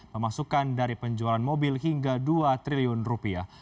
pemasukan dari penjualan mobil hingga dua triliun rupiah